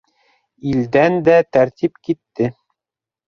Илдән дә тәртип китте.